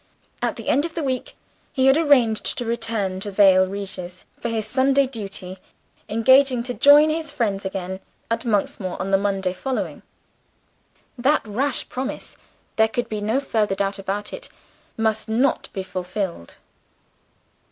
At the end of the week, he had arranged to return to Vale Regis for his Sunday duty; engaging to join his friends again at Monksmoor on the Monday following. That rash promise, there could be no further doubt about it, must not be fulfilled.